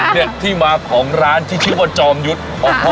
เนี่ยที่มาของร้านที่ชื่อว่าจอมยุทธ์